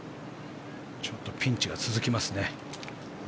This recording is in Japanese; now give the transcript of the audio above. ちょっとピンチが続きますね。